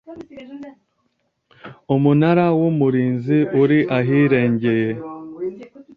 Umunara w Umurinzi uri ahirengeye